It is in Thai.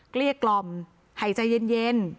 เกลี้ยกล่อมให้ใจเย็น